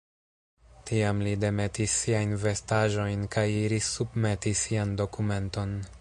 Tiam, li demetis siajn vestaĵojn kaj iris submeti sian dokumenton.